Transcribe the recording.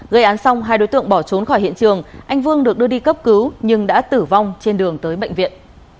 gây án xong hai đối tượng bỏ trốn khỏi hiện trường anh vương được đưa đi cấp cứu nhưng đã tử vong trên đường tới bệnh viện